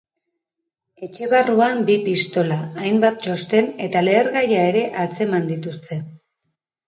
Etxe barruan bi pistola, hainbat txosten eta lehergaia ere atzeman dituzte.